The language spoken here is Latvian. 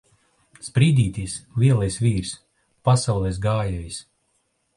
Sprīdītis! Lielais vīrs! Pasaules gājējs!